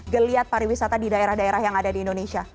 geliat pariwisata di daerah daerah yang ada di indonesia